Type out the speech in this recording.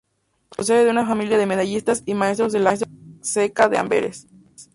Procede de una familia de medallistas y maestros de la Ceca de Amberes.